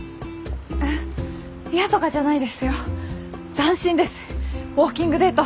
斬新ですウォーキングデート！